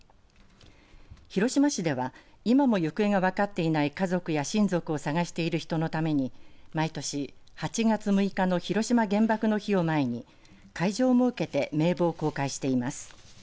広島市では今も行方が分かっていない家族や親族を捜している人のために毎年８月６日の広島原爆の日を前に会場を設けて名簿を公開しています。